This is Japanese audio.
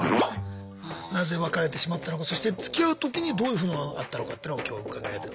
なぜ別れてしまったのかそしてつきあう時にどういうふうなのがあったのかというのを今日伺える。